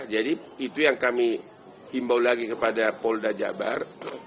jadi itu yang kami himbau lagi kepada polda jabar